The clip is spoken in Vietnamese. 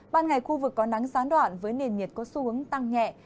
ban ngày khu vực có nắng gián đoạn với nền nhiệt có xu hướng tăng nhẹ